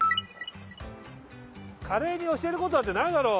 カレーに教えることなんて無いだろう。